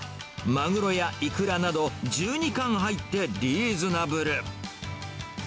マグロやイクラなど１２貫入ってリーズナブル。